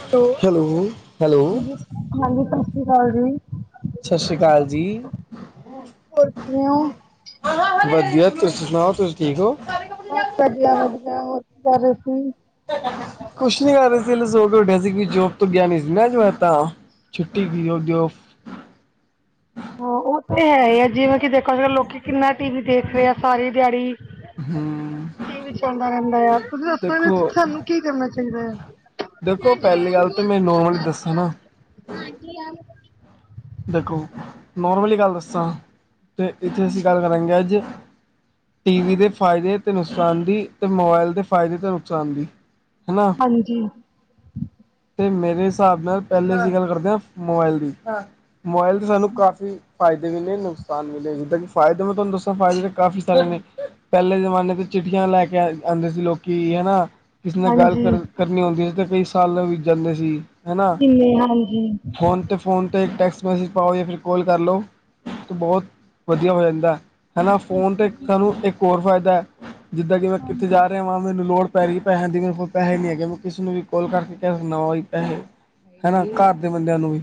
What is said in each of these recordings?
Hello, hello ਹਾਂਜੀ-ਹਾਂਜੀ ਸਸ ਸ਼੍ਰੀ ਕਾਲ ਜੀ। ਸਸ ਸ਼੍ਰੀ ਕਾਲ ਜੀ। ਹੋਰ ਕਿਵੇਂ ਹੋ? ਵਦੀਆ, ਤੁਸੀ ਸੁਣਾਓ ਤੁਸੀ ਠੀਕ ਓ। ਬਸ ਵਧੀਆ-ਵਧੀਆ ਹੋਰ ਕੀ ਕਰ ਰੇ ਸੀ। ਕੁਸ਼ ਨੀ ਕਰ ਰਏ ਸੀ ਹਲੇ ਸੋ ਕੇ ਓਠਿਆ ਸੀ ਕਿ ਜੋਪ ਤੋਂ ਗਿਆ ਨੀ ਸੀ ਨਾ ਅੱਜ ਮੈ ਤਾ। ਛੁੱਟੀ ਕੀਓ [unintelligible] ਹਾਂ, ਓਹ ਤੇ ਹੈ ਈ ਐ ਜਿਵੇਂ ਕੀ ਦੇਖ ਅੱਜ-ਕੱਲ ਲੋਕੀ ਕਿੰਨਾ ਟੀਵੀ ਦੇਖ ਰਏ ਐਂ ਸਾਰੀ ਦੇਹਾੜੀ। ਹਮ ਟੀਵੀ ਚੱਲਦਾ ਰੇਂਦਾ ਆ, ਤੁਸੀਂ ਦੱਸੋ ਇਦੇ ਇਚ ਦੇਖੋ ਸਾਨੂੰ ਕੀ ਕਰਨਾ ਚਾਈਦਾ ਐ। ਦੇਖੋ ਪੈਹਲੀ ਗੱਲ ਤੇ ਮੈਨੁੰ ਓ ਵਾਲੀ ਦੱਸਣ। ਹਾਂਜੀ ਆਈ। ਦੇਖੋ, ਨੋਰਮਲੀ ਗੱਲ ਦੱਸਾਂ, ਤੇ ਇੱਥੇ ਅਸੀਂ ਗੱਲ ਕਰਾਂਗੇ ਅੱਜ ਟੀਵੀ ਦੇ ਫਾਏਦੇ ਤੇ ਨੁਕਸਾਨ ਦੀ, ਤੇ ਮੋਬਾਇਲ ਦੇ ਫਾਏਦੇ ਤੇ ਨੁਕਸਾਨ ਦੀ ਹੈਨਾ। ਹਾਂਜੀ, ਤੇ ਮੇਰੇ ਸਾਬ ਨਾਲ ਪੈਹਲੇ ਅਸੀਂ ਗੱਲ ਕਰਦੇ ਆ, ਮੋਬਾਇਲ ਦੀ। ਮੋਬਾਇਲ ਦੇ ਸਾਨੂੰ ਕਾਫੀ ਫਾਏਦੇ ਵੀ ਨੇ, ਨੁਕ ਕਲ ਮਿਲੇ ਜਿੱਦਾਂ ਕੀ ਫਾਏਦੇ ਮੈਂ ਤੁਹਾਨੂੰ ਦੱਸਾਂ ਫਾਏਦੇ ਤੇ ਕਾਫੀ ਸਾਰੇ ਨੇ। ਪੈਹਲੇ ਜਮਾਨੇ ਤੇ ਚਿੱਠੀਆਂ ਲੈ ਕੇ ਆ, ਆਂਦੇ ਸੀ ਲੋਕੀ ਹੈਨਾ। ਕਿਸੇ ਨਾਲ ਗੱਲ ਹਾਂਜੀ, ਕਰ, ਕਰਨੀ ਹੁੰਦੀ ਸੀ ਤੇ ਕਈ ਸਾਲ ਵੀਤ ਜਾਂਦੇ ਸੀ। ਹੈਨਾ, ਕਿੰਨੇ ਹਾਂਜੀ, ਹੁਣ ਤੇ ਫੋਨ ਤੇ ਟੈਕਸ ਮੈਸੇਜ ਪਾਓ ਯਾ ਫਿਰ ਕੋਲ ਕਰ ਲਓ, ਤੇ ਬਹੁਤ, ਵਦੀਆ ਹੋ ਜਾਂਦੈ। ਹੈਨਾ, ਫੋਨ ਤੇ ਸਾਨੂੰ ਇੱਕ ਹੋਰ ਫਾਏਦਾ, ਜਿੱਦਾਂ ਕਿ ਮੈਂ ਕਿੱਥੇ ਜਾ ਰੇਆ ਵਾਂ ਮੈਨੂੰ ਲੋੜ ਪੈਰੀ ਪੈਹੇਆਂ ਦੀ ਮੇਰੇ ਕੋਲ ਪੈੇਹੇ ਨੀ ਹੈਗੇ ਮੈਂ ਕਿਸੇ ਨੂੰ ਵੀ ਕੋਲ ਕਰਕੇ ਕੈਅ ਦੇਨਾ ਵਾ ਬੀ ਪੈਹੇ। ਹੈਨਾ, ਘਰ ਦੇ ਬੰਦੇਆਂ ਨੂੰ ਵੀ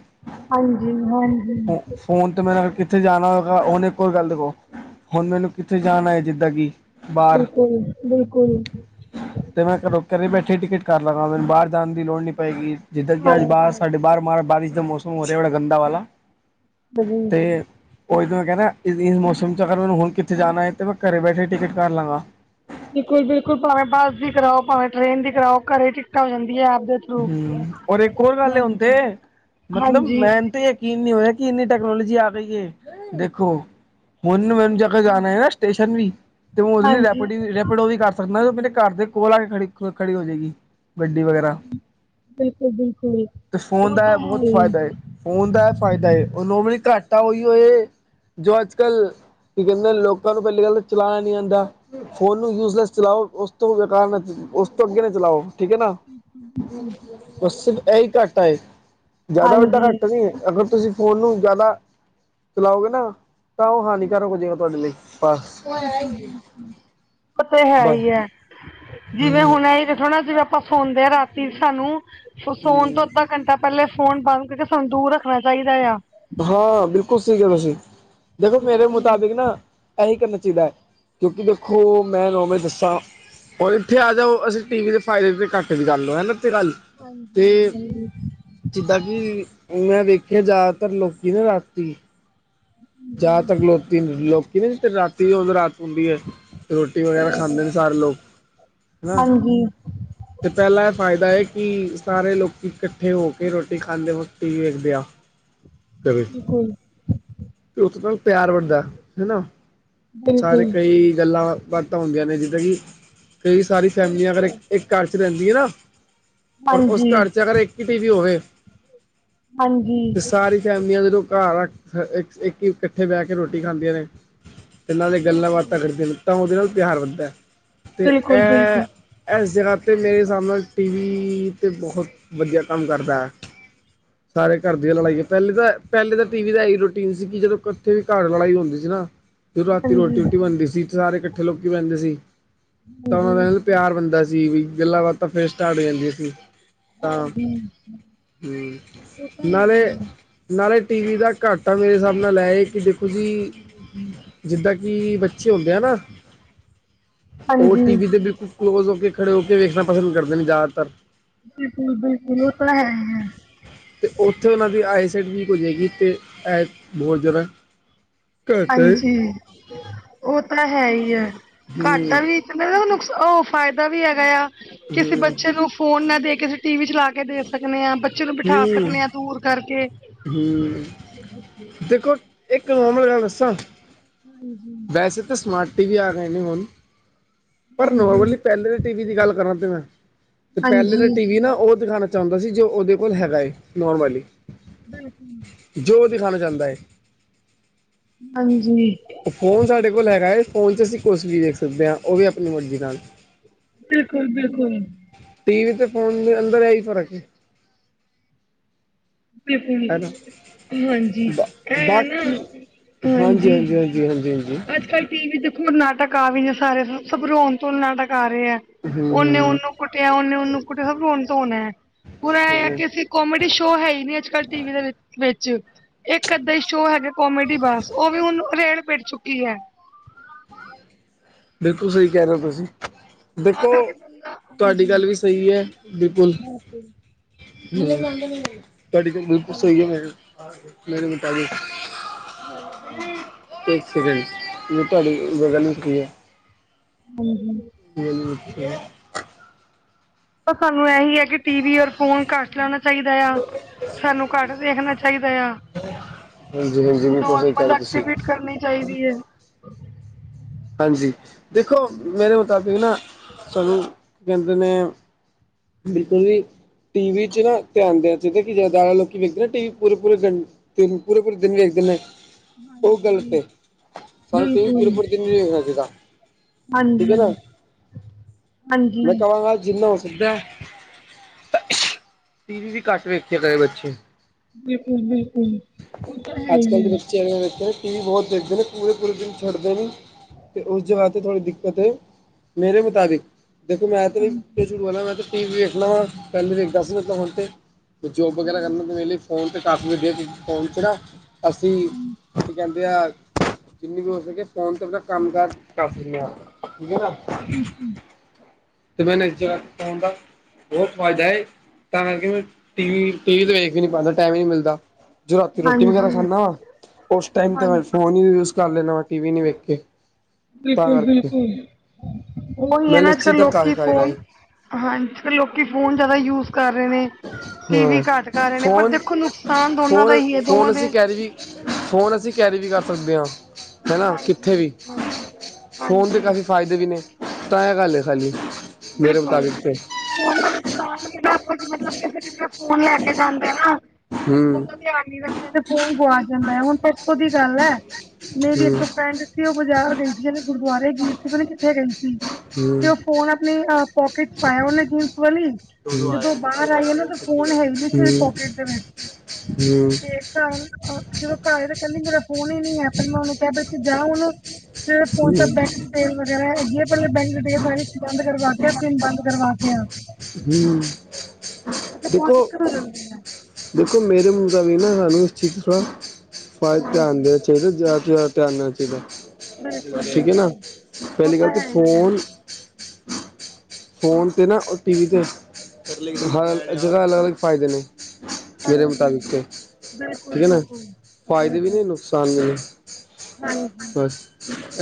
ਹਾਂਜੀ-ਹਾਂਜ ਫੋ, ਫੋਨ ਤੇ ਮੈ ਅਗਰ ਕਿ ਕਿੱਥੇ ਜਾਨਾ ਐਗਾ ਓਨੇ ਕੋਲ ਗੱਲ ਤੇ, [unintelligible] ਹੁਣ ਮੈਨੂੰ ਕਿੱਥੇ ਜਾਨਾ ਏ ਜਿੱਦਾਂ ਕੀ। ਬਿਲਕੁਲ-ਬਿਲਕੁਲ। ਤੇ ਮੈਂ ਘਰੋ, ਘਰੇ ਬੈਠੇ ਟਿਕਟ ਕਰ ਲਾਂਗਾ ਮੈਨੂੰ ਬਾਰ ਜਾਨ ਦੀ ਲੋੜ ਨੀ ਪਏਗੀ। ਜਿੱਦਾਂ ਕਿ ਅੱਜ ਬਾਸ ਹਾਂਜੀ। ਸਾਡੇ ਬਾਰ ਮਾਰ ਬਾਰਿਸ਼ ਦਾ ਮੌਸਮ ਹੋ ਰਿਆ ਬੜਾ ਗੰਦਾ ਵਾਲਾ। [inaudible] ਤੇ ਓ ਇਦਾਂ ਹੈਗਾ ਨਾ [unintelligible] ਮੌਸਮ 'ਚ ਅਗਰ ਮੈਨੂੰ ਹੁਣ ਕਿੱਥੇ ਜਾਨਾ ਏ, ਤੇ ਮੈਂ ਘਰੇ ਬੈਠੇ ਟਿਕਟ ਕਰਲਾਂ ਗਾ। ਬਿਲਕੁਲ-ਬਿਲਕੁਲ ਭਾਵੇਂ ਬੱਸ ਦੀ ਕਰਾਓ ਭਾਵੇਂ ਟ੍ਰੇਨ ਦੀ ਕਰਾਓ ਘਰੇ ਟਿਕਟਾਂ ਹੋ ਜਾਂਦੀਏ ਆਪਦੇ। ਹੂਂ, ਹੁਣ ਇੱਕ ਹੋਰ ਗੱਲ ਐ ਹੁਣ ਤੇ, ਮਤਲਬ ਹਾਂਜੀ। ਮੈਂਨ ਤੇ ਯਕੀਨ ਨੀ ਹੋ ਰਿਆ ਕੀ ਇੰਨੀ ਟੈਕਨੋਲੋਜੀ ਆ ਗਈ ਜੇ, ਦੇਖੋ ਹੁਣ ਨੂੰ ਜਾਣਾ ਹੈ ਨਾ ਸਟੇਸ਼ਨ ਵੀ ਤੇ ਓਦੇ ਲਈ ਹਾਂਜੀ, ਰੈਪਿਡੀ ਵੀ ਰੈਪਿਡੋ ਓ ਵੀ ਕਰ ਮੈਂ ਕਿਆ ਮੇਰੇ ਘਰ ਦੇ ਕੋਲ ਆ ਕੇ ਖੜੀ ਖੜੀ ਹੋ ਜੇਗੀ ਗੱਡੀ ਵਗੈਰਾ। ਬਿਲਕੁਲ-ਬਿਲਕੁਲ। ਤੇ ਫੋਨ ਉਹ ਦਾ ਏਹ ਤਾਂ ਹੈ ਬੋਤ ਹੀ ਫਾਇਦਾ ਏ, ਫੋਨ ਦਾ ਏ ਫਾਇਦਾ ਏ ਓ [unintelligible] ਘਾਟਾ ਓਈ ਏ। ਜੋ ਅੱਜ-ਕੱਲ, ਕੀ ਕਹਿੰਦੇ ਲੋਕਾਂ ਨੂੰ ਪਹਿਲੀ ਗੱਲ ਤੇ ਚਲਾਣਾ ਨੀ ਆਂਦਾ। ਫੋਨ ਨੂੰ ਯੂਜ਼ਲੈਸ ਚਲਾਓ ਓਸ ਤੋਂ ਬੇਕਾਰ ਨਾ, ਓਸ ਤੋਂ ਅੱਗੇ ਨਾ ਚਲਾਓ ਠੀਕ ਐ ਨਾ। ਬਸ ਸਿਰਫ ਏਹੀ ਘਾਟਾ ਏ, ਜਿਆਦਾ ਵੱਡਾ ਹਾਂਜੀ, ਘਾਟਾ ਨੀ ਐ। ਅਗਰ ਤੁਸੀਂ ਫ਼ੋਨ ਨੂੰ ਜਿਆਦਾ ਚਲਾਓਗੇ ਨਾ ਤਾਂ ਓ ਹਾਨੀਕਾਰਕ ਹੋ ਜਾਏਗਾ ਤੁਆਡੇ ਲਈ, ਹਾਂ ਓ ਤੇ ਹੈ ਈ ਐ, ਜਿਵੇਂ ਹਮ ਹੁਣ ਨਈ ਦੇਖੋ ਨਾ ਜਿਵੇਂ ਆਪਾਂ ਸੋਂਦੇ ਆ ਰਾਤੀ ਸਾਨੂੰ, ਸੋਣ ਹਮ ਤੋਂ ਅੱਦਾਂ ਘੰਟਾ ਪਹਿਲੇ ਫੋਨ ਬੰਦ ਕਰਕੇ ਸਾਨੂੰ ਦੂਰ ਰੱਖਣਾ ਚਾਈਦਾ ਏਆ। ਹਾਂ ਬਿਲਕੁਲ ਸਈ ਕਿਆ ਤੁਸੀਂ, ਦੇਖੋ ਮੇਰੇ ਮੁਤਾਬਿਕ ਨਾ ਏਹੀ ਕਰਨਾ ਚਾਈਦੈ ਐ, ਕਿਉਂਕਿ ਦੇਖੋ ਮੈਂ ਨੌਵੇਂ ਦੱਸਾਂ ਔਰ ਇੱਥੇ ਆ ਜਾਓ ਅਸੀਂ ਟੀ ਵੀ ਦੇ ਫਾਇਦੇ ਤੇ ਘੱਟ ਵੀ ਕਰ ਲੋ ਹਨਾ ਗੱਲ। [unintelligible] ਤੇ ਜਿੱਦਾਂ ਕਿ ਊ ਮੈਂ ਵੇਖਿਆ ਜਾ [unintelligible] ਲੋਕੀ ਨੇ ਰਾਤੀ ਜ਼ਿਆਦਾਤਰ ਲੋਕੀ- ਲੋਕੀ ਤੇ ਰਾਤੀ ਰਾਤ ਹੁੰਦੀ ਹੈ ਰੋਟੀ ਵਗੈਰਾ ਖਾਂਦੇ ਨੇ, ਸਾਰੇ ਲੋਕ ਹੈ ਨਾ ਹਾਂਜੀ, ਅਤੇ ਪਹਿਲਾਂ ਇਹ ਫਾਇਦਾ ਹੈ ਕਿ ਸਾਰੇ ਲੋਕ ਇਕੱਠੇ ਹੋ ਕੇ ਰੋਟੀ ਖਾਂਦੇ ਵਕਤ ਟੀਵੀ ਵੇਖਦੇ ਆ [unintelligible] [unintelligible] ਅਤੇ ਉੱਥੋਂ ਤੱਕ ਪਿਆਰ ਬਣਦਾ ਹੈ, ਨਾ ਸਾਰੇ ਬਿਲਕੁਲ ਕਈ ਗੱਲਾਂ ਬਾਤਾਂ ਹੁੰਦੀਆਂ ਨੇ, ਜਿੱਦਾਂ ਕਿ ਕਈ ਸਾਰੀ ਫੈਮਲੀਆਂ ਅਗਰ ਇੱਕ ਘਰ ਚ ਰਹਿੰਦੀ ਹੈ ਨਾ ਔਰ ਉਸ ਹਾਂਜੀ, ਘਰ 'ਚ ਅਗਰ ਇੱਕ ਹੀ ਟੀਵੀ ਹੋਵੇ ਤੇ ਹਾਂਜੀ ਸਾਰੀ ਫੈਮਿਲੀਆਂ ਜਦੋਂ ਘਰ ਆ ਇੱਕ ਹੀ ਇਕੱਠੇ ਬਹਿ ਕੇ ਰੋਟੀ ਖਾਂਦੀਆਂ ਨੇ, ਅਤੇ ਨਾਲ ਦੀ ਗੱਲਾਂ ਬਿਲਕੁਲ, ਬਾਤਾਂ ਕਰਦੀਆਂ ਨੇ ਤਾਂ ਉਹਦੇ ਨਾਲ ਪਿਆਰ ਵੱਧਦਾ, ਅਤੇ ਬਿਲਕੁਲ-ਬਿਲਕੁਲ ਇਹ ਇਸ ਜਗ੍ਹਾ 'ਤੇ ਮੇਰੇ ਹਿਸਾਬ ਨਾਲ ਟੀਵੀ 'ਤੇ ਬਹੁਤ ਵਧੀਆ ਕੰਮ ਕਰਦਾ ਹੈ ਸਾਰੇ ਘਰ ਦੀਆਂ ਲੜਾਈਆਂ, ਪਹਿਲੇ ਤਾਂ ਪਹਿਲੇ ਤਾਂ ਟੀ ਵੀ ਦਾ ਹੈ ਹੀ ਰੋਟੀ ਸੀ ਕਿ ਜਦੋਂ ਕੱਠੇ ਵੀ ਘਰ ਲੜਾਈ ਹੁੰਦੀ ਸੀ, ਨਾ ਫਿਰ ਰਾਤੀ ਹਾਂਜੀ, ਰੋਟੀ ਰੂਟੀ ਬਣਦੀ ਸੀ ਸਾਰੇ ਇਕੱਠੇ ਲੋਕੀ ਬੈਂਦੇ ਸੀ ਤਾਂ ਹਾਂਜੀ, ਮੈਂ ਪਿਆਰ ਬਣਦਾ ਸੀ, ਵੀ ਗੱਲਾਂ ਬਾਤਾਂ ਫੇਰ ਸਟਾਰਟ ਹੋ ਜਾਂਦੀਆਂ ਸੀ ਤਾਂ, ਹਾਂਜੀ ਹਮ ਉਹ ਤਾਂ ਹੈ ਹੀ ਨਾਲੇ ਹੈ। ਨਾਲੇ ਟੀਵੀ ਦਾ ਘੱਟ ਤਾਂ ਮੇਰੇ ਹਿਸਾਬ ਨਾਲ, ਇਹ ਕਿ ਦੇਖੋ ਜੀ ਜਿੱਦਾਂ ਕਿ ਬੱਚੇ ਹੁੰਦੇ ਆ ਨਾ ਉਹ ਹਾਂਜੀ, ਟੀਵੀ ਦੇ ਬਿਲਕੁਲ ਕਲੋਜ਼ ਹੋ ਕੇ, ਖੜੇ ਹੋ ਕੇ ਵੇਖਣਾ ਪਸੰਦ ਕਰਦੇ ਨੇ ਜ਼ਿਆਦਾਤਰ ਬਿਲਕੁਲ-ਬਿਲਕੁਲ ਉਹ ਤਾਂ ਹੈ ਹੀ ਐ ਤੇ ਉੱਥੇ ਉਹਨਾਂ ਦੀ ਆਈ ਸੈਡ ਵੀਕ ਹੋ ਜਾਵੇਗੀ ਤੇ ਇਹ ਬਹੁਤ [unintelligible] ਘੱਟ ਹੈ ਹਾਂਜੀ, ਉਹ ਤਾਂ ਹੈ ਹੀ ਐ ਹੂੰ ਘਾਟਾ ਵੀ ਮੇ ਨੁਕਸ ਉਹ ਫਾਇਦਾ ਵੀ ਹੈਗਾ ਆ, ਕਿਸੇ ਹੂੰ ਬੱਚੇ ਨੂੰ ਫੋਨ ਨਾ ਦੇ ਕੇ, ਅਸੀਂ ਟੀ ਵੀ ਚਲਾ ਕ ਕੇ ਦੇ ਸਕਦੇ ਹਾਂ, ਬੱਚੇ ਨੂੰ ਬਿਠਾ ਸਕਦੇ ਹਾਂ ਦੂਰ ਕਰਕੇ ਹਮ ਦੇਖੋ ਇੱਕ [unintelligible] ਗੱਲ ਦੱਸਾਂ ਹਾਂਜੀ। ਵੈਸੇ ਤੇ, ਸਮਾਰਟ ਟੀਵੀ ਆ ਗਏ ਨੇ ਹੁਨ। ਪਰ ਹਾਂਜੀ ਨੋਰਮਲੀ ਪਹਿਲੇ ਦੀ ਟੀਵੀ ਦੀ ਗੱਲ ਕਰਾਂ ਤੇ ਮੈਂ, ਤੇ ਪਹਿਲੇ ਦਾ ਹਾਂਜੀ ਟੀਵੀ ਨਾ, ਉਹ ਦਿਖਾਣਾ ਚਾਹੁੰਦਾ ਸੀ, ਜੋ ਉਹਦੇ ਕੋਲ ਹੈਗਾ ਏ, ਨੌਰਮਲੀ। ਬਿਲਕੁ ਜੋ ਦਿਖਾਣਾ ਚਾਂਦਾ ਏ। ਹਾਂਜੀ। ਓ ਫੋਨ ਸਾਡੇ ਕੋਲ ਹੈਗਾ, ਫੋਨ'ਚ ਅਸੀਂ ਕੁਛ ਵੀ ਵੇਖ ਸਕਦੇ ਆਂ, ਉਹ ਵੀ ਆਪਣੀ ਮਰਜ਼ੀ ਨਾਲ। ਬਿਲਕੁਲ-ਬਿਲਕੁਲ। ਟੀਵੀ ਤੇ ਫੋਨ ਦੇ ਅੰਦਰ ਐਈ ਫਰਕ ਏ। ਬਿਲਕੁਲ ਹੈਨਾ, ਹਾਂਜੀ ਇਹ ਹੈ ਨਾ ਬਾਕੀ ਹਾਂਜੀ-ਹਾਂਜੀ, ਹਾਂਜੀ-ਹਾਂਜੀ, ਹਾਂਜੀ। ਅੱਜ-ਕੱਲ ਟੀਵੀ ਦੇਖੋ ਲਾਤਾ, ਕਾਫੀ ਸਾਰੇ ਸਭ ਰੋਣ-ਧੋਣ ਨਾਟਕ ਆ ਰਹੇ ਆ। ਹੂੰ ਉਹਨੇ-ਉਹਨੂੰ ਕੁੱਟਿਆ, ਉਹਨੇ-ਉਹਨੂੰ ਕੁੱਟਿਆ, ਸਭ ਰੋਣ-ਧੋਣ ਐ, ਪੂਰਾ ਐਂਆ ਹੂੰ ਕਿ ਅਸੀ ਕੋਮੇਡੀ ਸ਼ੋਅ ਹੈਹੀ ਨੀ ਅੱਜ-ਕੱਲ ਟੀਵੀ ਦੇ ਵਿੱਚ, ਇੱਕ-ਅੱਦਾ ਈ ਸ਼ੋਅ ਹੈਗਾ ਕੌਮੇਡੀ ਬੱਸ, ਉਹ ਵੀ ਹੁਣ ਰੇਲ ਪੇਟ ਚੁੱਕੀ ਐ। ਬਿਲਕੁਲ ਸਹੀ ਕਹਿ ਰਹੇ ਓ ਤੁਸੀਂ। ਦੇਖੋ, ਤੁਵਾਡੀ ਗੱਲ ਵੀ ਸਹੀ ਐ, ਬਿਲਕੁਲ। ਹੂੰ, ਤੁਹਾਡੀ ਗੱਲ ਬਿਲਕੁਲ ਸਹੀ ਏ ਫਿਰ। ਮੇਰੇ ਮੁਤਾਬਿਕ ਹਾਂਜੀ। ਇੱਕ ਸਕਿੰਡ, ਮੈਨੁ ਤੁਵਾਡੀ ਗਗ [unintelligible] ਹਾਂਜੀ। [unintelligible] ਲਿਖਿਆ ਤਾਂ ਸਾਨੂੰ ਐਹੀ ਆ ਕਿ, ਟੀਵੀ ਔਰ ਫੋਨ ਘਟ ਲਾਣਾ ਚਾਈਦਾ ਯਾ, ਸਾਨੂੰ ਘੱਟ ਦੇਖਣਾ ਚਾਈਦਾ ਯਾ। ਹਾਂਜੀ ਬਿਲਕੁਲ ਸਹੀ ਕਹਿ ਨੋਰਮਲ ਰਹੇ ਤੁਸੀਂ ਐਕਟੀਵੀਟ ਕਰਨੀ ਚਾਹੀਦੀ ਏ। ਹਾਂਜੀ, ਦੇਖੋ ਮੇਰੇ ਮੁਤਾਬਿਕ ਨਾ ਸਾਨੁੰ ਕਹਿੰਦੇ ਨੇ ਬਿਲਕੁਲ ਵੀ, ਟੀਵੀ'ਚ ਨਾ ਧਿਆਨ ਦੇਣਾ ਚਾਈਦਾ, ਕਿ ਜਾਦਾ ਲੋਕੀ ਵੇਖਦੇ ਨਾ ਟੀਵੀ, ਪੂਰੇ-ਪੂਰੇ ਦਿਨ। ਤਿਨ, ਪੂਰੇ-ਪੂਰੇ ਦਿਨ ਵੇਖਦੇ ਨੇ ਹਾਂਜੀ। ਪਰ, ਤੁਹੀ ਪੂਰੇ-ਪੁਰੇ ਦਿਨ ਨੀ ਵੇਖ ਸਕਦੇ, ਏਦਾਂ। ਠੀਕ ਐ ਨਾ, ਮੈਂ ਕਵਾਂਗਾ ਜਿੰਨਾ ਹੋ ਸਕਦੈ ਟੀਵੀ ਵੀ ਘੱਟ ਵੇਖਿਆ ਕਰੇ ਬੱਚੇ। ਬਿਲਕੁਲ ਬਿਲਕੁਲ ਅੱਜ-ਕੱਲ ਦੇ ਬੱਚਿਆ ਐਵੇ ਤ ਟੀਵੀ ਬਹੁਤ ਦੇਖਦੇ ਨੇ, ਪੂਰੇ-ਪੂਰੇ ਦਿਨ ਛੱਡਦੇ ਨਹੀ। ਤੇ ਉਸ ਜਗ੍ਹਾ ਤੇ ਥੋੜੀ ਦਿੱਕਤ ਏ, ਮੇਰੇ ਮੁਤਾਬਿਕ। ਦੇਖੋ ਮੈਂ ਤੇ ਨੀ, ਫੇਸਬੁੱਕ ਵਾਲਾ ਮੈਂ ਤੇ ਟੀਵੀ ਵੇਖਨਾ ਵਾ, ਪਹਿਲੇ ਵੇਖਦਾ ਸੀ, ਨਹੀਂ ਤਾ ਹੁਣ ਤੇ ਜੋਬ ਵਗੈਰਾ ਕਰਨਾ ਤੇ ਵੇਹਲੇ ਫੋਨ ਤੇ ਕਾਫੀ ਵਧੀਆ ਚੀਜ ਫੋਨ'ਚ ਨਾ, ਅਸੀਂ ਕੀ ਕਹਿੰ ਜਿੰਨੀ ਵੀ ਹੋ ਸਕੇ ਫੋਨ 'ਤੇ ਅਪਣਾ ਕੰਮ-ਕਾਰ ਕਰ ਸਕਨੇ ਆਂ, ਠੀਕ ਏ ਨਾ। ਤੇ ਮੈਂ ਨਜਰ ਰੱਖ ਫੋਨ ਦਾ ਬਹੁਤ ਫਾਇਦਾ ਏ, ਤਾਂ ਕਰਕੇ ਮੈਂ, ਟੀਵੀ, ਟੀਵੀ ਤੇ ਵੇਖ ਵੀ ਨੀ ਪਾਂਦਾ, ਟਾਈਮ ਈ ਨਹੀਂ ਮਿਲਦਾ। ਜੋ ਰਾਤੀ ਰੋਟੀ ਵਗੈਰਾ ਹਾਂਜੀ ਖਾਂਨਾ ਵਾ, ਉਸ ਟਾਇਮ ਤੇ ਮੈਂ ਹਾਂਜੀ ਫੋਨ ਈ ਯੂਜ ਕਰ ਲੈਂਨਾ ਵਾ, ਟੀਵੀ ਨੀ ਵੇਖ ਕੇ। ਤਾਂ ਕਰਕੇ ਬਿਲਕੁਲ-ਬਿਲਕੁਲ, ਓਈ ਮੈਨੂੰ ਐਨਾ ਇਸ ਚੀਜ਼ ਅੱਜ-ਕੱਲ ਦਾ ਕਾਫੀ ਲੋਕੀ ਫਾਇਦਾ ਫੋਨ ਹੈ ਹਾਂ, ਫਿਰ ਲੋਕੀ ਫੋਨ ਜ਼ਿਆਦਾ ਯੂਜ ਕਰ ਰਹੇ ਨੇ। ਟੀਵੀ ਹਾਂ ਘੱਟ ਕਰ ਰਹੇ ਨੇ ਪਰ ਫੋਨ ਦੇਖੋ, ਨੁਕਸਾਨ ਦੋਨਾਂ ਦਾ ਹੀ ਹੈ ਦੋਵਾਂ ਦੇ ਫ਼ੋਨ ਅਸੀਂ ਕੈਰੀ ਵੀ ਕਰ ਸਕਦੇ ਆ ਹਨਾ ਕਿੱਥੇ ਹਾਂਜੀ ਵੀ ਹਾਂਜੀ ਫੋਨ ਤੇ ਹਾਂਜੀ ਕਾਫੀ ਫਾਇਦੇ ਵੀ ਨੇ ਤਾਂ ਏ ਗੱਲ ਐ ਖਾਲੀ ਮੇਰੇ ਬਿਲਕੁਲ ਮੁਤਾਬਿਕ ਤੇ ਫੋਨ ਦਾ ਨੁਕਸਾਨ ਕਿਹੜਾ ਆਪਾ ਜੀ ਮਤਲਬ ਕਿਸੇ ਕਿਸ ਫੋਨ ਲੈ ਕੇ ਜਾਂਦੇ ਆ ਨਾ [unintelligible] ਹੂੰ ਧਿਆਨ ਨੀ ਰੱਖਦੇ ਤੇ ਫ਼ੋਨ ਗੁਆਚ ਜਾਂਦਾ ਐ ਹੁਣ ਪਰਸੋਂ ਦੀ ਗੱਲ ਐ ਮੇਰੀ ਹੂੰ ਇੱਕ ਹੂੰ ਫਰੈਂਡ ਉਹ ਬਾਜ਼ਾਰ ਗਈ ਸੀ [unintelligible] ਗੁਰਦੁਆਰੇ ਗਈ ਸੀ ਪਤਾ ਨੀ ਕਿੱਥੇ ਗਈ ਸੀ ਤੇ ਉਹ ਫੋਨ ਆਪਣੀ ਪੋਕੇਟ ਚ ਪਾਇਆ ਉਹਨੇ ਫ [unintelligible] ਜਦੋਂ ਬਾਹਰ ਆਈ ਆ ਨਾ ਤਾਂ ਫੋਨ ਹੈ ਹੀ ਨਹੀਂ ਸੀ ਉਹਦੀ ਹੂੰ ਪੋਕਟ ਦੇ ਵਿੱਚ ਹੂੰ ਤੇ ਘਰ ਜਦੋਂ ਘਰ ਦੇਖਿਆ ਕਹਿੰਦੀ ਮੇਰਾ ਫੋਨ ਹੀ ਨਹੀਂ ਹੈ ਪਰ ਮੈਂ ਉਹਨੂੰ ਕਿਹਾ [unintelligible] ਜਾ ਉਹਨੂੰ ਜਿਸ ਚ ਹੂੰ ਬੈਂਕ ਡਿਟੇਲ ਵਗੈਰਾ ਹੈਗੀ ਐਂ ਪਹਿਲੇ ਬੈਂਕ ਡਿਟੇਲ ਸਾਰੇ ਬੰਦ ਕਰਵਾ ਕੇ ਆ ਪਿੰਨ ਬੰਦ ਕਰਵਾ ਕੇ ਆ ਹੂੰ, ਕਿਉਂਕਿ ਬਹੁਤ ਦੇਖੋ ਦਿੱਕਤ ਹੋ ਜਾਂਦੀ ਹੈ ਦੇਖੋ ਮੇਰੇ ਮੁੰਡਾ ਵੀ ਨਾ ਸਾਨੂੰ ਇਸ ਚੀਜ਼ [unintelligible] ਹਾਂਜੀ ਧਿਆਨ ਦੇ ਚਾਹੀਦਾ ਜ਼ਿਆਦਾ ਤੋਂ ਜ਼ਿਆਦਾ ਧਿਆਨ ਦੇਣਾ ਚਾਹੀਦਾ ਬਿਲਕੁਲ ਠੀਕ ਐ ਨਾ ਬਿਲਕੁਲ ਉਹ ਪਹਿਲੀ ਤਾਂ ਗੱਲ ਤੇ ਹੈ ਹੀ ਹੈ ਫੋਨ ਫੋਨ ਤੇ ਨਾ ਟੀ ਵੀ ਤੇ ਹ ਜਗ੍ਹਾ ਅਲੱਗ-ਅਲੱਗ ਫਾਇਦੇ ਨੇ ਮੇਰੇ ਹਾਂਜੀ ਮੁਤਾਬਿਕ ਤੇ ਬਿਲਕੁਲ ਠੀਕ ਐ ਨਾ ਬਿਲਕੁਲ ਜੀ ਫ਼ਾਇਦੇ ਵੀ ਜੀ ਨੇ ਨੁਕਸਾਨ ਵੀ ਨੇ ਹਾਂਜੀ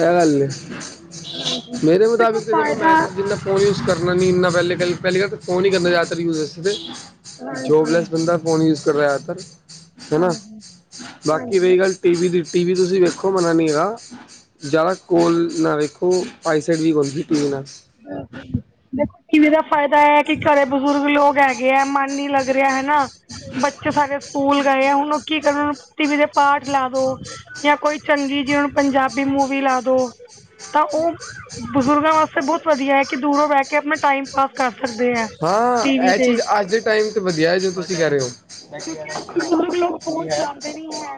ਐਹ ਗੱਲ ਐ ਹਾਂਜੀ ਮੇਰੇ ਮੁਤਾਬਿਕ ਤੇ ਦੇਖੋ ਮੈਂ ਫਾਇਦਾ ਜਿੰਨਾ ਫੋਨ ਯੂਜ ਕਰਨਾ ਨੀ ਇੰਨਾ ਪਹਿਲੇ ਗ ਪਹਿਲੀ ਗੱਲ ਤੇ ਫੋਨ ਹੀ ਕਰਨਾ ਜ਼ਿਆਦਾਤਰ ਯੂਜ ਹਾਂਜੀ ਜੋਬਲੈਸ ਬੰਦਾ ਫੋਨ ਯੂਜ ਕਰ ਰਿਹਾ ਜਿਆਦਾਤਰ ਹਨਾ ਹਾਂਜੀ ਬਾਕੀ ਹਾਂਜੀ ਰਹੀ ਗੱਲ ਟੀ ਵੀ ਦੀ ਟੀ ਵੀ ਤੁਸੀਂ ਵੇਖੋ ਮੰਨਾ ਨੀ ਹੈਗਾ ਜ਼ਿਆਦਾ ਕੋਲ ਨਾ ਵੇਖੋ ਆਈਸਾਈਟ ਵੀਕ ਹੁੰਦੀ ਟੀ ਵੀ ਨਾਲ ਬਿਲਕੁਲ ਦੇਖੋ ਟੀ ਵੀ ਦਾ ਫਾਇਦਾ ਐ ਕਿ ਘਰੇ ਬਜ਼ੁਰਗ ਲੋਕ ਹੈਗੇ ਗਿਆ ਮਨ ਨੀ ਲੱਗ ਰਿਹਾ ਹੈਨਾ ਬੱਚੇ ਸਾਰੇ ਸਕੂਲ ਗਏ ਆ ਹੁਣ ਉਹ ਕੀ ਕਰਨ ਟੀ ਵੀ ਤੇ ਪਾਠ ਲਾ ਦੋ ਜਾਂ ਕੋਈ ਚੰਗੀ ਜਿ ਹੁਣ ਪੰਜਾਬੀ ਮੂਵੀ ਲਾ ਦੋ ਤਾਂ ਉਹ ਬਜ਼ੁਰਗਾਂ ਵਾਸ ਤੇ ਬਹੁਤ ਵਧੀਆ ਐ ਕਿ ਦੂਰੋਂ ਬਹਿ ਕੇ ਆਪਣਾ ਟਾਈਮ ਪਾਸ ਕਰ ਸਕਦੇ ਐ ਟੀ ਵੀ ਹਾਂ ਇਹ ਤੇ ਚੀਜ਼ [unintelligible] ਤੇ ਵਧੀਆ ਜੇ ਤੁਸੀ ਕਹਿ ਰਹੇ ਹੋ ਕਿਉਂਕਿ ਅੱਜ ਕੱਲ ਬਜ਼ੁਰਗ ਲੋਕ ਫੋਨ ਚਲਾਉਂਦੇ ਨੀ ਹੈ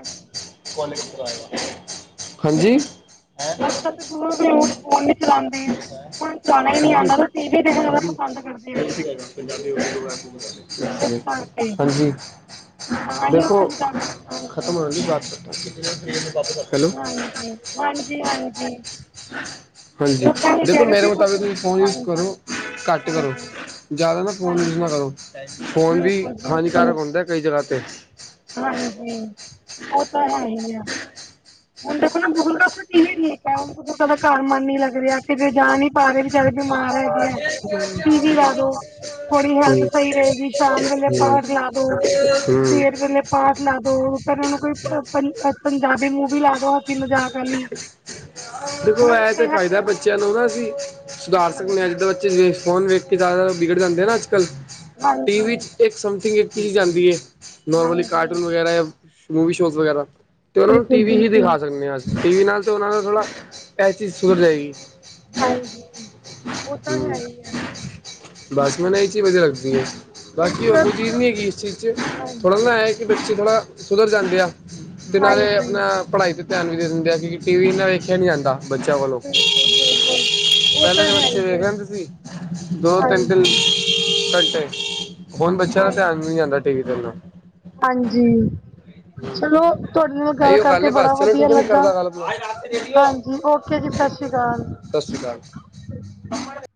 ਹਾਂਜੀ ਅੱਜ ਕੱਲ ਤੇ [unintelligible] ਫੋਨ ਨੀ ਚਲਾਉਂਦੇ ਹੁਣ ਚਲਾਉਣਾ ਹੀ ਨੀ ਆਂਦਾ ਤਾਂ ਟੀ ਵੀ ਦੇਖਣਾ ਜ਼ਿਆਦਾ ਪਸੰਦ ਕਰਦੇ ਹੈਗੇ ਆ ਇਸ ਕਰਕੇ ਹਾਂਜੀ ਦੇਖੋ ਤਾਂ ਕਰਕੇ ਖਤਮ [unintelligible] ਹੈਲੋ ਹਾਂਜੀ, ਹਾਂਜੀ, ਹਾਂਜੀ ਹਾਂਜੀ, ਬਸ ਇਹੀ ਦੇਖੋ ਕਹਿ ਰਹੇ ਮੇਰੇ ਸੀ ਮੁਤਾਬਿਕ ਬਜ਼ੁਰਗ ਤੁਸੀਂ ਫੋਨ ਯੂਜ ਹਾਂਜੀ ਕਰੋ ਘੱਟ ਕਰੋ ਹਾਂਜੀ ਜ਼ਿਆਦਾ ਨਾ ਫੋਨ ਯੂਜ ਨਾ ਹਾਂਜੀ ਕਰੋ ਫੋਨ ਵੀ ਹਾਨੀਕਾਰਕ ਹੁੰਦਾ ਕਈ ਜਗਾ ਤੇ ਹਾਂਜੀ, ਉਹ ਤਾਂ ਹੈ ਹੀ ਆ ਹੁਣ ਦੇਖੋ ਨਾ ਬਜ਼ੁਰਗਾਂ ਵਾਸਤੇ [inaudible] ਠੀਕ ਟੀਵੀ ਐ ਉਹ ਬਜ਼ੁਰਗਾ ਦਾ ਘਰ ਮਨ ਨੀ ਲੱਗ ਰਿਹਾ ਕਿਤੇ ਜਾ ਨੀ ਪਾ ਰਹੇ ਵਿਚਾਰੇ ਬਿਮਾਰ ਐ ਹੈਗੇ ਆ ਟੀ ਵੀ ਲਾ ਦੋ ਥੋੜੀ ਹੈਲਥ ਸਹੀ ਹੂੰ ਰਹੇਗੀ ਸ਼ਾਮ ਵੇਲੇ ਪਾਠ ਲਾ ਦੋ ਸਵੇਰ ਵੇਲੇ ਪਾਠ ਲਾ ਦੋ ਫਿਰ ਉਹਨ ਨੂੰ ਕੋਈ ਪੰਜਾਬੀ ਮੂ ਵੀ ਲਾ ਦੋ ਕੋਈ ਮਜ਼ਾਕ ਆਲੀ। ਦੇਖੋ ਐ ਤੇ ਫਾਇਦਾ ਬੱਚਿਆਂ ਨੂੰ ਨਾ ਅਸੀਂ, ਸੁਧਾਰ ਸਕਨੇ ਹਾਂ ਹਾਂਜੀ ਜਿੱਦਾਂ ਬ ਫੋਨ ਵੇਖ ਕੇ ਜ਼ਿਆਦਾ ਵਿਗੜ ਜਾਂਦੇ ਨਾ ਅੱਜਕੱਲ੍ਹ, ਟੀ ਵੀ ਹਾਂਜੀ 'ਚ ਇੱਕ ਸਮਥਿੰਗ ਇੱਕ ਕਿ ਜਾਂਦੀ ਏ। ਨੋਰਮਲੀ ਹਾਂਜੀ ਕਾਰਟੂਨ ਵਗੈਰਾ ਜਾਂ, ਮੂਵੀ ਸ਼ੋ ਵਗੈਰਾ, ਤੇ ਉਹਨਾਂ ਨੂੰ ਬਿਲਕੁਲ ਟੀ ਵੀ ਹੀ ਬਿਲਕੁਲ ਦਿਖਾ ਸਕਦੇ ਆ ਅ ਟੀ ਵੀ ਨਾਲ ਤੇ ਉਹਨਾ ਨੂੰ ਥੋੜ੍ਹਾ, ਇਹ ਚੀਜ਼ ਸੁਧਰ ਜਾਏਗੀ। ਹਾਂਜੀ। ਉਹ ਤਾਂ ਹੂੰ, ਹੈ ਹੀ ਹੈ ਬਾਸ ਮੈਂਨੂੰ ਨਾ ਇਹ ਚੀਜ਼ ਵਧੀਆ ਲਗਦੀ ਏ, ਬਾਕੀ ਬਿਲਕੁਲ ਹੋਰ ਕੋਈ ਚੀਜ਼ ਨਹੀਂ ਹੈਗੀ ਇਸ ਚੀਜ਼ ਬੱਚੇ ਹਾਂਜੀ ਥੋੜ੍ਹਾ ਐ ਕਿ ਬੱਚੇ ਥੋੜ੍ਹਾ ਸੁਧਰ ਜਾਂਦੇ ਆ, ਤੇ ਨਾਲੇ ਹਾਂਜੀ ਆਪਣਾ ਪੜ੍ਹਾਈ ਤੇ ਧਿਆਨ ਵੀ ਦੇ ਦਿੰਦੇ ਆ ਕਿਉਕਿ ਟੀ ਵੀ ਇਨਾ ਵੇਖਿਆ ਨੀ ਜਾਂਦਾ। ਬੱਚਿਆਂ ਵਲੋਂ। ਬਿਲਕੁਲ ਬਿਲਕੁਲ ਉਹ ਪਹਿਲਾਂ ਤਾਂ ਤੇ ਹੈ ਬੱਚ ਚੇ ਹੀ ਵੇਖ ਹੈ ਲੈਦੇ ਸੀ, ਦੋ-ਦੋ ਤਿੰਨ-ਤਿੰਨ ਹਾਂਜੀ ਘੰਟੇ। ਹੁਣ ਬੱਚਿਆਂ ਦਾ ਧਿਆਨ ਹਾਂਜੀ ਵੀ ਨੀ ਜਾਂਦਾ ਟੀ ਵੀ ਤੇ ਇੰਨਾ। ਹਾਂਜੀ ਹੂੰ, ਚਲੋ ਤੁਹਾਡੇ ਨਾਲ ਇਹਓ ਗੱਲ ਕਰਕੇ ਏ ਬਸ ਬੜਾ ਚਲੋ ਵਧੀਆ ਠੀਕ ਹੈ ਮੈਂ ਲੱਗਾ ਕਰਦਾ ਗੱਲ। ਹਾਂਜੀ ਓਕੇ ਜੀ ਸਾਸਰੀ ਕਾਲ। ਸਾਸਰੀ ਕਾਲ। [unintelligible]